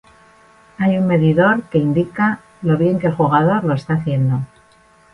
Hay un medidor que indica lo bien que el jugador lo está haciendo.